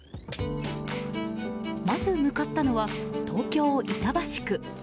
まず向かったのは、東京・板橋区。